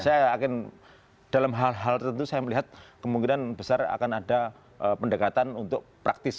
saya yakin dalam hal hal tertentu saya melihat kemungkinan besar akan ada pendekatan untuk praktis